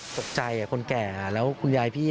ตกใจคนแก่แล้วคุณยายพี่